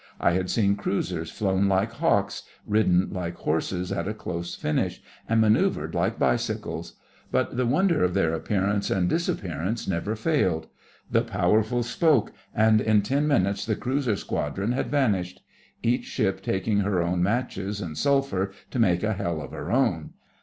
I had seen cruisers flown like hawks, ridden like horses at a close finish, and manœuvred like bicycles; but the wonder of their appearance and disappearance never failed. The Powerful spoke, and in ten minutes the cruiser squadron had vanished; each ship taking her own matches and sulphur to make a hell of her own.